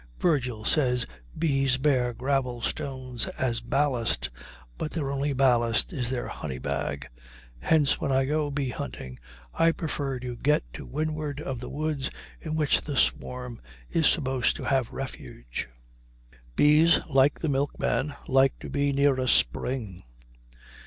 Virgil says bees bear gravel stones as ballast, but their only ballast is their honey bag. Hence, when I go bee hunting, I prefer to get to windward of the woods in which the swarm is supposed to have refuge. Bees, like the milkman, like to be near a spring.